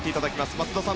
松田さん